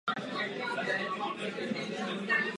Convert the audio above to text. Obec leží na pravém břehu řeky Rýn.